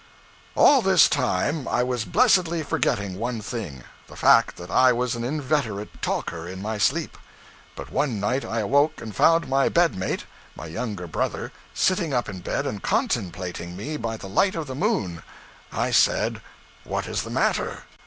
All this time I was blessedly forgetting one thing the fact that I was an inveterate talker in my sleep. But one night I awoke and found my bed mate my younger brother sitting up in bed and contemplating me by the light of the moon. I said 'What is the matter?'